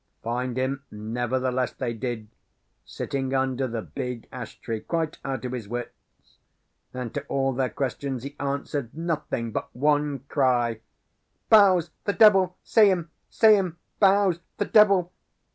Find him, nevertheless, they did, sitting under the big ash tree, quite out of his wits; and to all their questions he answered nothing but one cry 'Bowes, the devil! See him; see him; Bowes, the devil!'